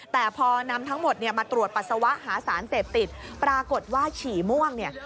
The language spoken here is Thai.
แต่พอนำทั้งหมดเนี่ยมาตรวจปัสสาวะหาสารเสพติดปรากฏว่าฉี่ม่วงเนี่ย